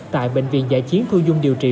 tại bệnh viện giải chiến thu dung điều trị